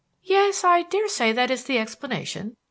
"Yes, I daresay that is the explanation.